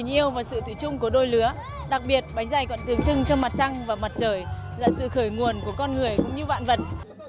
bánh dày tự trưng cho tình yêu và sự tự trung của đôi lứa đặc biệt bánh dày còn tự trưng cho mặt trăng và mặt trời là sự khởi nguồn của con người cũng như vạn vật